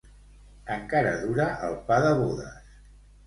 Encara dura el pa de bodes.